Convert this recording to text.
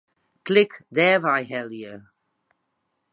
Klik Dêrwei helje.